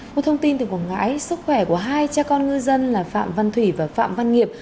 một thông tin từ quảng ngãi sức khỏe của hai cha con ngư dân là phạm văn thủy và phạm văn nghiệp